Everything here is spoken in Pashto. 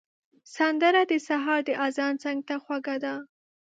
سندره د سهار د اذان څنګ ته خوږه ده